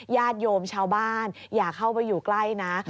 ญาติโยมชาวบ้านอย่าเข้าไปอยู่ใกล้นะ